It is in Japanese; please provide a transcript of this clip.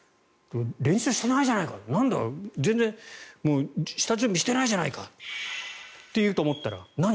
練習してないじゃないか全然下準備してないじゃないかと言うと思ったら何？